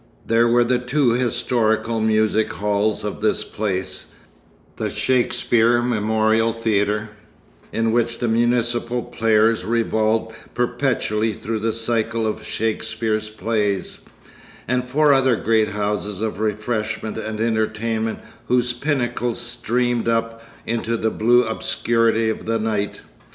There were the two historical music halls of this place, the Shakespeare Memorial Theatre, in which the municipal players revolved perpetually through the cycle of Shakespeare's plays, and four other great houses of refreshment and entertainment whose pinnacles streamed up into the blue obscurity of the night.